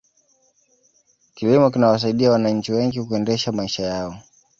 kilimo kinawasaidia wananchi wengi kuendesha maisha yao